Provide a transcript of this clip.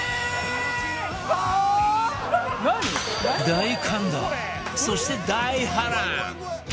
大感動そして大波乱！